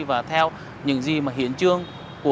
và theo những gì mà hiện trường